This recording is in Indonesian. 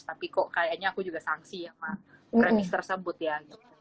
tapi kok kayaknya aku juga sangsi sama premis tersebut ya